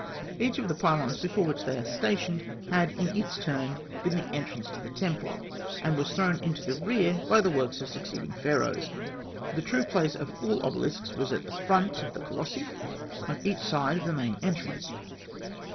Each of the pylons before which they are stationed had in its turn been the entrance to the temple, and was thrown into the rear by the works of succeeding Pharaohs. The true place of all obelisks was in front of the colossi, on each side of the main entrance.